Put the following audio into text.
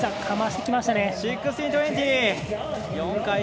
かましてきましたね。